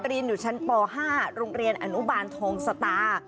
เรียนอยู่ชั้นป๕โรงเรียนอนุบาลทองสตา